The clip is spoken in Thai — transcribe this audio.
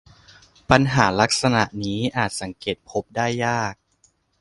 ปัญหาลักษณะนี้อาจสังเกตพบได้ยาก